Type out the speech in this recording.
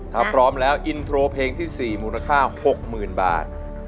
ถ้าพร้อมแล้วอินโทรเพลงที่๔มูลค่า๖๐๐๐บาท